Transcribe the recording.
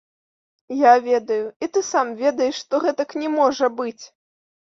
Я ведаю і ты сам ведаеш, што гэтак не можа быць!